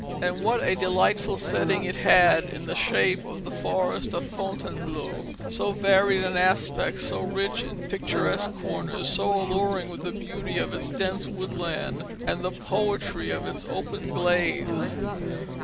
And what a delightful setting it had in the shape of the forest of Fontainebleau, so varied in aspect, so rich in picturesque corners, so alluring with the beauty of its dense woodlands, and the poetry of its open glades!